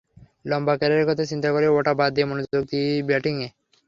লম্বা ক্যারিয়ারের কথা চিন্তা করেই ওটা বাদ দিয়ে মনোযোগ দিই ব্যাটিংয়ে।